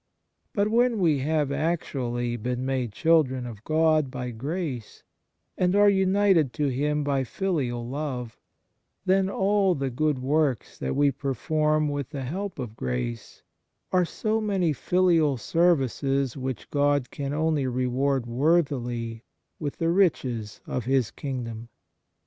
But when we have actually been made children of God by no EFFECT AND FRUITS OF DIVINE GRACE grace, and are united to Him by filial love, then all the good works that we perform with the help of grace are so many filial services which God can only reward worthily with the riches of His kingdom.